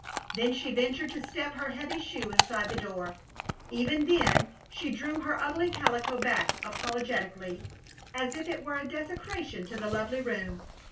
Then she ventured to step her heavy shoe inside the door. Even then she drew her ugly calico back apologetically, as if it were a desecration to the lovely room.